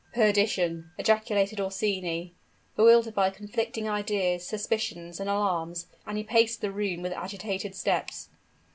"Perdition!" ejaculated Orsini, bewildered by conflicting ideas, suspicions, and alarms: and he paced the room with agitated steps.